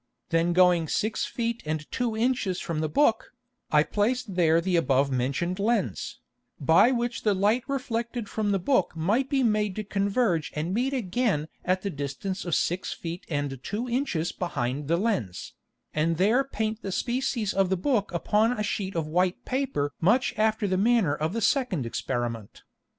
Then going six Feet and two Inches from the Book, I placed there the above mentioned Lens, by which the Light reflected from the Book might be made to converge and meet again at the distance of six Feet and two Inches behind the Lens, and there paint the Species of the Book upon a Sheet of white Paper much after the manner of the second Experiment.